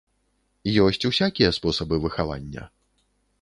Ёсць усякія спосабы выхавання.